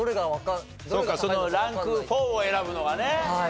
そうかそのランク４を選ぶのがね。